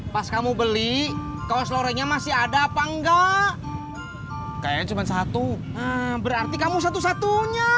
pas kamu beli kaos lorenya masih ada apa enggak kayaknya cuma satu berarti kamu satu satunya